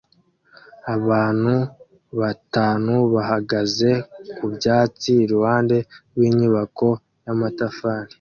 Abantu batanu bahagaze ku byatsi iruhande rw'inyubako y'amatafari